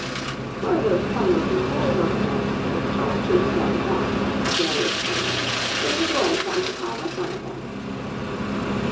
"What are those funny looking poles over there, with cross pieces at the top?" Jerry exclaimed, "there's a boy trying to climb up one of them."